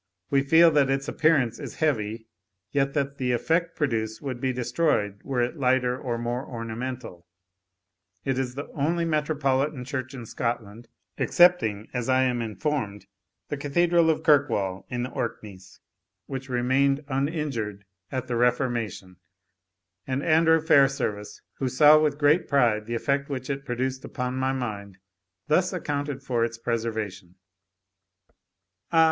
We feel that its appearance is heavy, yet that the effect produced would be destroyed were it lighter or more ornamental. It is the only metropolitan church in Scotland, excepting, as I am informed, the Cathedral of Kirkwall, in the Orkneys, which remained uninjured at the Reformation; and Andrew Fairservice, who saw with great pride the effect which it produced upon my mind, thus accounted for its preservation "Ah!